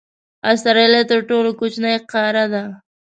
استرالیا تر ټولو کوچنۍ قاره ده.